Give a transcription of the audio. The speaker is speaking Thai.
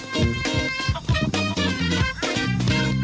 เวลา